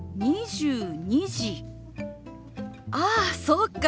ああそうか。